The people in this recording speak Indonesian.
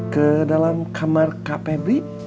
ke dalam kamar kak febri